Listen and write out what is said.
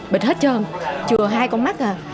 bịt hết trơn chừa hai con mắt à